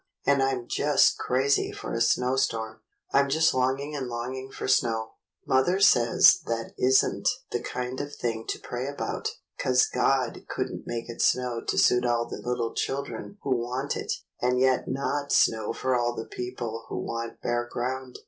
and I'm just crazy for a snowstorm. I'm just longing and longing for snow. Mother says that is n't the kind of a thing to pray about, 'cause God could n't make it snow to suit all the little children who want it, and yet not snow for all the people who want bare ground.